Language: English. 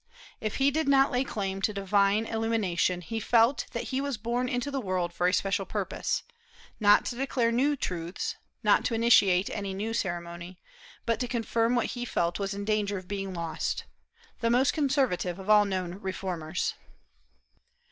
If he did not lay claim to divine illumination, he felt that he was born into the world for a special purpose; not to declare new truths, not to initiate any new ceremony, but to confirm what he felt was in danger of being lost, the most conservative of all known reformers.